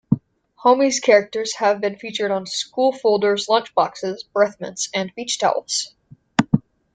Homies characters have been featured on school folders, lunchboxes, breath mints, and beach towels.